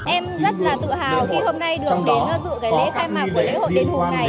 em rất là tự hào khi hôm nay được đến dự cái lễ khai mạc của lễ hội đền hùng này